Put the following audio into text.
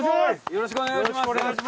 よろしくお願いします。